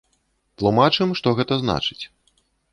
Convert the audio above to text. Тлумачым, што гэта значыць.